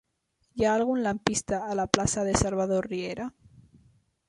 Hi ha algun lampista a la plaça de Salvador Riera?